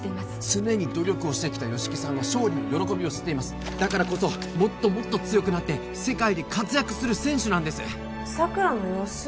常に努力をしてきた吉木さんは勝利の喜びを知っていますだからこそもっともっと強くなって世界で活躍する選手なんです桜の様子？